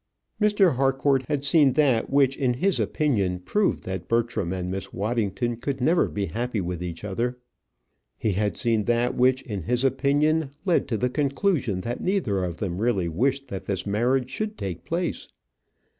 Mr. Harcourt had seen that which in his opinion proved that Bertram and Miss Waddington could never be happy with each other. He had seen that which in his opinion led to the conclusion that neither of them really wished that this marriage should take place.